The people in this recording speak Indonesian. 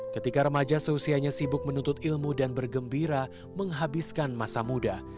ketika remaja seusianya sibuk menuntut ilmu dan bergembira menghabiskan masa muda